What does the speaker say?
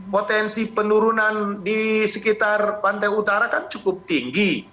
potensi penurunan di sekitar pantai utara kan cukup tinggi